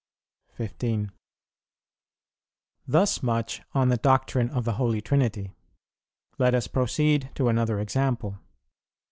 15. Thus much on the doctrine of the Holy Trinity. Let us proceed to another example.